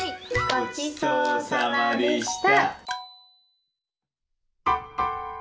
ごちそうさまでした。